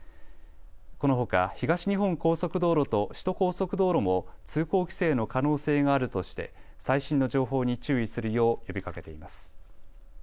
このほか東日本高速道路と首都高速道路も通行規制の可能性があるとして最新の情報に注意するよう呼びかけています。